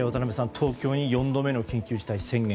東京に４度目の緊急事態宣言。